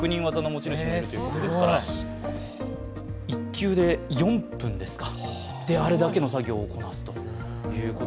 １球４分で、あれだけの作業をこなすと。